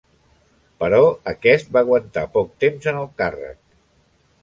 Però aquest va aguantar poc temps en el càrrec.